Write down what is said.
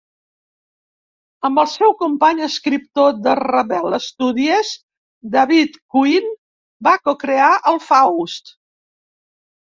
Amb el seu company escriptor de Rebel Studies, David Quinn, va co-crear el Faust.